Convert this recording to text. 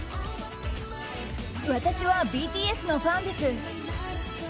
私はＢＴＳのファンです。